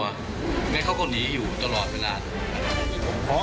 อย่างนั้นเขาก็หนีอยู่ตลอดเวลานะครับ